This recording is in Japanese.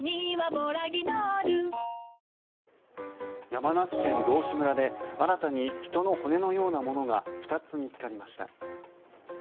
山梨県道志村で新たに人の骨のようなものが２つ見つかりました。